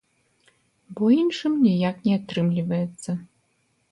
Бо іншым ніяк не атрымліваецца.